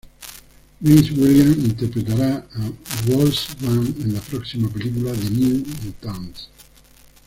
Maisie Williams interpretará a Wolfsbane en la próxima película "The New Mutants".